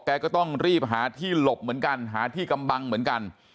ก็ต้องรีบหาที่หลบเหมือนกันหาที่กำบังเหมือนกัน